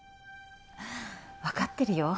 わかってるよ